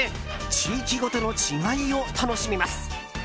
地域ごとの違いを楽しみます。